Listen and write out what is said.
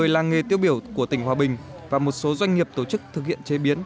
một mươi làng nghề tiêu biểu của tỉnh hòa bình và một số doanh nghiệp tổ chức thực hiện chế biến